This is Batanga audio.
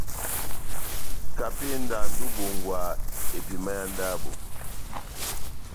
Kapenda endi ó ibongwa epima yá ndabo.